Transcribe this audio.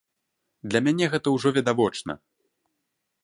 Для мяне гэта ўжо відавочна.